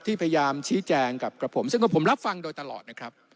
พยายามชี้แจงกับผมซึ่งก็ผมรับฟังโดยตลอดนะครับ